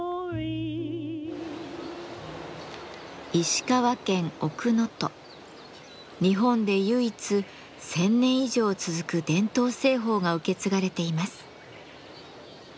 塩鑑賞の小壺は日本で唯一１，０００年以上続く伝統製法が受け継がれています。